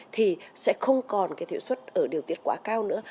thì sẽ không còn cái thuế xuất ở điều tiết quá cao nữa